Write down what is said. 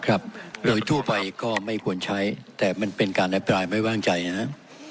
โดยทั่วไปก็ไม่ควรใช้แต่มันเป็นการอภิปรายไม่ว่างใจนะครับ